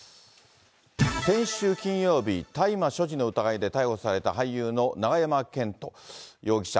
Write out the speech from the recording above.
先週金曜日、大麻所持の疑いで逮捕された俳優の永山絢斗容疑者。